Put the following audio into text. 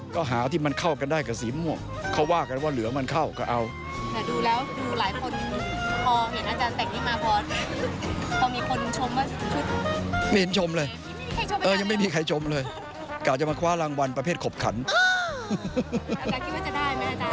จะมาคว้ารางวัลประเภทขบขันอ้าวอาจารย์คิดว่าจะได้มั้ยอาจารย์